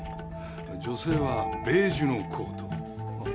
女性はベージュのコートあっ。